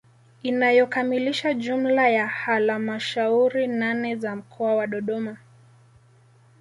Inayokamilisha jumla ya halamashauri nane za mkoa wa Dodoma